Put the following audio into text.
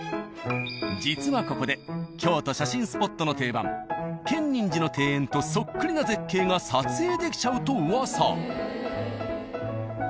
実はここで京都写真スポットの定番建仁寺の庭園とそっくりな絶景が撮影できちゃうとうわさ。